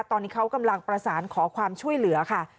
ตอนนี้เขากำลังประสานขอความช่วยเหลือค่ะ